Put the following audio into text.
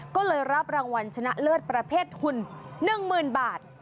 ก็เลยรับรางวัลชนะเลิศประเภทหุ่น๑๐๐๐บาท